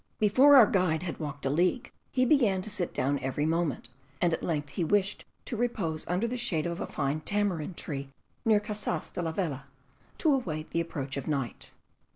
Before our guide had walked a league, he began to sit down every moment, and at length he wished to repose under the shade of a fine tamarind tree near Casas de la Vela, to await the approach of night.